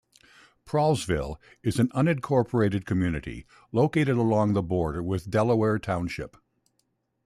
Prallsville is an unincorporated community located along the border with Delaware Township.